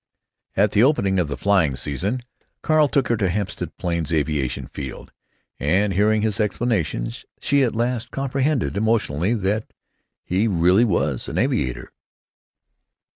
At the opening of the flying season Carl took her to the Hempstead Plains Aviation Field, and, hearing his explanations, she at last comprehended emotionally that he really was an aviator.